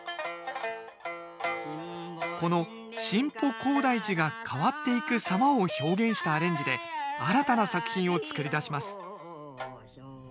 この「新保広大寺」が変わっていく様を表現したアレンジで新たな作品を作り出します